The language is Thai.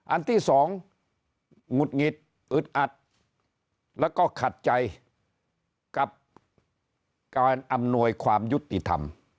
อันที่สองหงุดหงิดอึดอัดแล้วก็ขัดใจกับการอำนวยความยุติธรรม